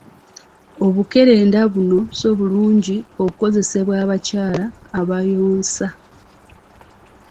Obukerenda buno so bulungi kukozesebwa bakyala abayonsa.